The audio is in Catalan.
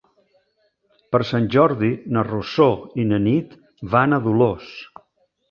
Per Sant Jordi na Rosó i na Nit van a Dolors.